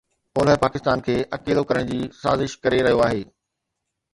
اولهه پاڪستان کي اڪيلو ڪرڻ جي سازش ڪري رهيو آهي